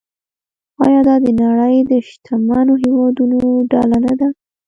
آیا دا د نړۍ د شتمنو هیوادونو ډله نه ده؟